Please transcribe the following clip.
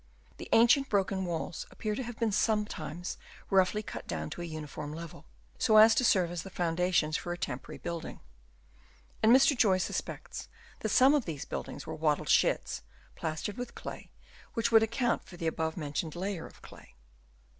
The ancient broken walls appear to have been sometimes roughly cut down to a uniform level, so as to serve as the founda tions for a temporary building ; and Mr. Joyce suspects that some of these buildings were wattled sheds, plastered with clay, which would account for the above mentioned layer of clay.